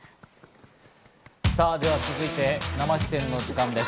続いて生出演の時間です。